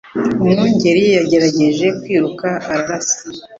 Umwungeri yagerageje kwiruka ararasa